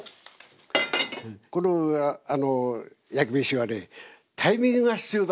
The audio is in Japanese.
この焼き飯はねタイミングが必要なんですよ。